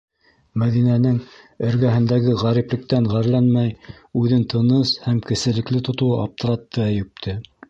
Мәҙинәнең, эргәһендәге ғәриплектән ғәрләнмәй, үҙен тыныс һәм кеселекле тотоуы аптыратты Әйүпте.